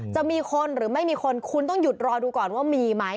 จะมีคนหรือไม่มีคนคุณต้องหยุดรอดูก่อนว่ามีไหม